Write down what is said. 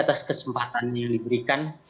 atas kesempatan yang diberikan